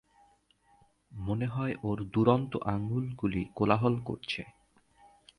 মনে হয় ওর দুরন্ত আঙুলগুলি কোলাহল করছে।